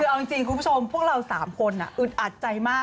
คือเอาจริงคุณผู้ชมพวกเรา๓คนอึดอัดใจมาก